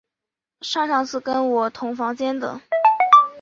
上上次跟我同房间的